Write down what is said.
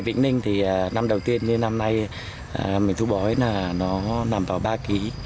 vĩnh ninh thì năm đầu tiên như năm nay mình thu bỏ hết là nó nằm vào ba ký